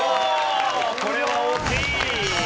これは大きい！